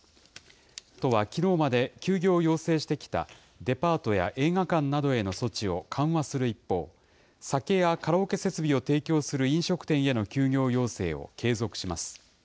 都はきのうまで休業を要請してきたデパートや映画館などへの措置を緩和する一方、酒やカラオケ設備を提供する飲食店への休業要請を継続します。